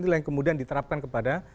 nilai yang kemudian diterapkan kepada